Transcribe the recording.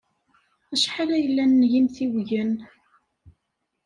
Acḥal ay yellan n yimtiwgen?